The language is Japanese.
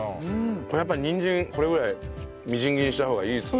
やっぱにんじんこれぐらいみじん切りにした方がいいですね。